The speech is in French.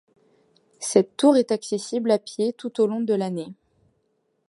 Cette tour est accessible à pied tout au long de l'année.